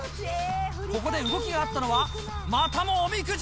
ここで動きがあったのは、またもおみくじ。